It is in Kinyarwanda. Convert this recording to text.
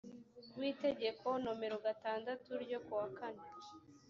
w itegeko nomero gatandatu ryo kuwa kane